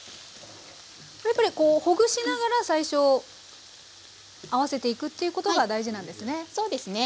これやっぱりほぐしながら最初合わせていくっていうことが大事なんですね。